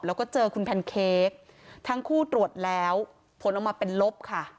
แล้วก็เจอคุณแพนเค้กทั้งคู่ตรวจแล้วผลออกมาเป็นลบค่ะ